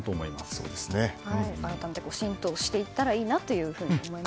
改めて浸透していったらいいなと思います。